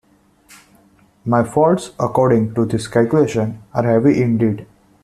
My faults, according to this calculation, are heavy indeed!